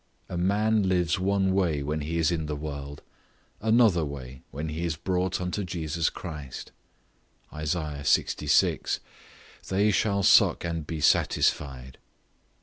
A man lives one way when he is in the world, another way when he is brought unto Jesus Christ; Isa. lxvi., "They shall suck, and be satisfied."